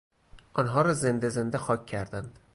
آنها را زنده زنده خاک کردند.